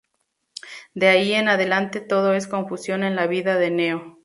De ahí en adelante todo es confusión en la vida de Neo.